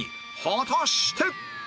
果たして